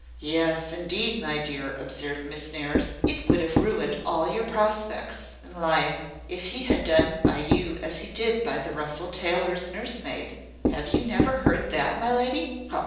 "Yes, indeed, my dear," observed Miss Nares, "it would have ruined all your prospects in life if he had done by you as he did by the Russell Taylors' nursemaid. Have you never heard that, my lady?